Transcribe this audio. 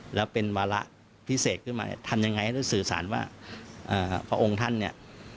หรือเป็นวาระพิเศษขึ้นมายังไง